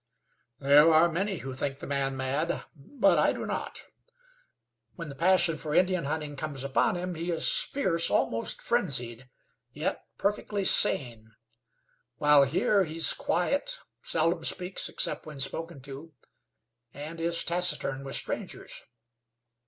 "There are many who think the man mad; but I do not. When the passion for Indian hunting comes upon him he is fierce, almost frenzied, yet perfectly sane. While here he is quiet, seldom speaks except when spoken to, and is taciturn with strangers.